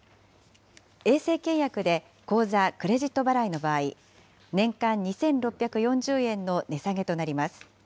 衛星契約で口座・クレジット払いの場合、年間２６４０円の値下げとなります。